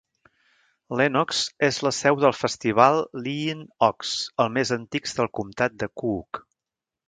Lenox és la seu del festival Lean-Ox, el més antic del comtat de Cook.